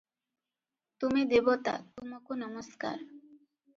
ତୁମେ ଦେବତା, ତୁମକୁ ନମସ୍କାର ।